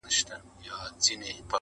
نن ځم له لېونو څخه به سوال د لاري وکم٫